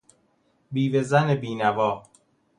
بیوه زن بینوا